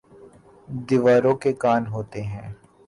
دیواروں کے کان ہوتے ہیں